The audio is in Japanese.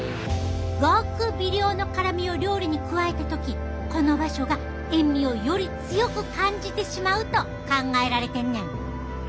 ごく微量の辛みを料理に加えた時この場所が塩味をより強く感じてしまうと考えられてんねん。